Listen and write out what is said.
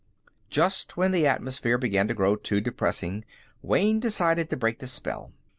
Just when the atmosphere began to grow too depressing, Wayne decided to break the spell.